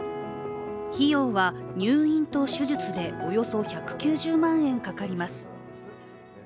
費用は入院と手術でおよそ１９０万円かかります。